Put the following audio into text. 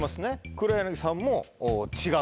黒柳さんも違うと。